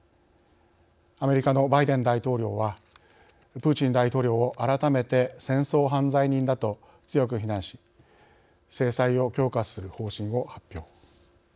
アメリカのバイデン大統領はプーチン大統領を改めて戦争犯罪人だと強く非難し制裁を強化する方針を発表。